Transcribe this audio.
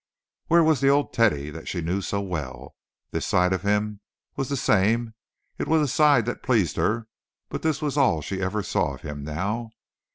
Where was the old Teddy that she knew so well? This side of him was the same, and it was a side that pleased her; but this was all she ever saw of him now.